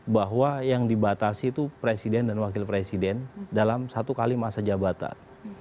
bahwa yang dibatasi itu presiden dan wakil presiden dalam satu kali masa jabatan